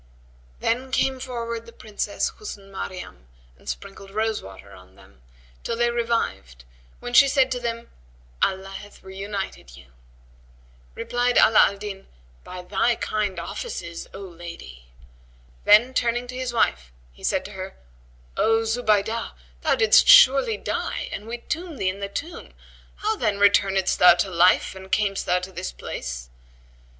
Then came forward the Princess Husn Maryam and sprinkled rose water on them, till they revived when she said to them, "Allah hath reunited you." Replied Ala al Din, "By thy kind of offices, O lady." Then, turning to his wife, he said to her, "O Zubaydah, thou didst surely die and we tombed thee in the tomb: how then returnedst thou to life and camest thou to this place?"